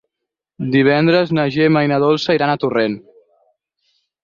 Divendres na Gemma i na Dolça iran a Torrent.